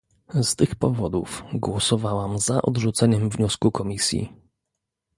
Z tych powodów głosowałam za odrzuceniem wniosku Komisji